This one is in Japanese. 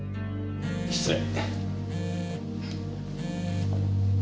失礼。